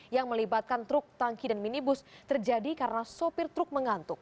yang melibatkan truk tangki dan minibus terjadi karena sopir truk mengantuk